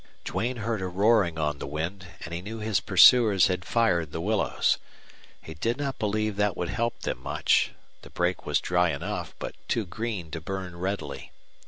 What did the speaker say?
Duane heard a roaring on the wind, and he knew his pursuers had fired the willows. He did not believe that would help them much. The brake was dry enough, but too green to burn readily.